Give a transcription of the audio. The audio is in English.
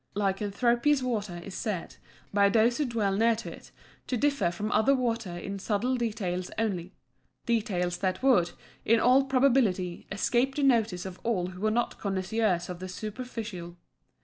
Lycanthropous water is said, by those who dwell near to it, to differ from other water in subtle details only details that would, in all probability, escape the notice of all who were not connoisseurs of the superphysical.